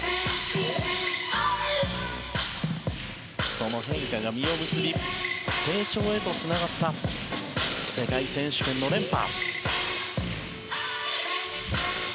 その変化が実を結び成長へとつながった世界選手権の連覇。